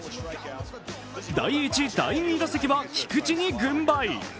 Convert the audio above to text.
第１、第２打席は菊池に軍配。